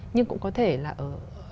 nhưng cũng có thể là ở